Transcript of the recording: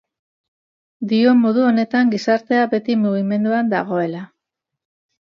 Dio modu honetan gizartea beti mugimenduan dagoela.